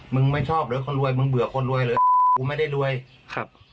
ไม่ชอบเหรอคนรวยมึงเบื่อคนรวยเลยกูไม่ได้รวยครับ